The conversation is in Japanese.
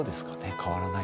変わらない？